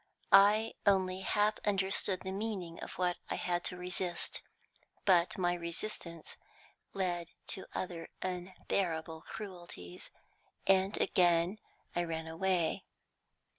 I only half understood the meaning of what I had to resist, but my resistance led to other unbearable cruelties, and again I ran away.